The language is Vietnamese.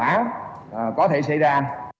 để chúng ta có thể xảy ra